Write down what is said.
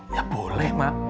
ya boleh mak